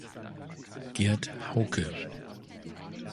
Gerd Haucke